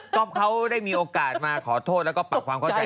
ก็เขาได้มีโอกาสมาขอโทษแล้วก็ปรับความเข้าใจ